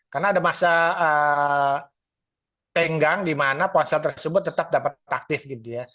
karena ada masa tenggang di mana ponsel tersebut tetap dapat aktif gitu ya